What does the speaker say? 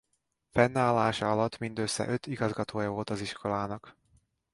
Fennállása alatt mindössze öt igazgatója volt az iskolának.